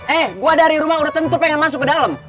eh gue dari rumah udah tentu pengen masuk ke dalam